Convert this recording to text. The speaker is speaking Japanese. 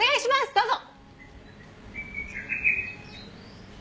どうぞ。